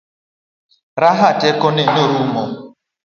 Raha teko ne norumo.